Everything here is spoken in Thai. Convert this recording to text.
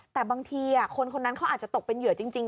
แต่บางทีคนคนนั้นเขาอาจจะตกเป็นเหยื่อจริง